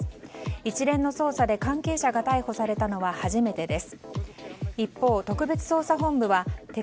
一連の捜査で関係者が逮捕されたのは初めてです。